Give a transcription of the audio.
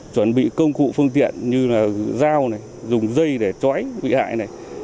chuẩn bị công cụ phương tiện như là dao dùng dây để chói bị hại này